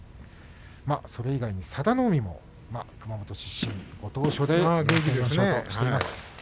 それ以外に、佐田の海も熊本出身、ご当所でいい相撲を取っています。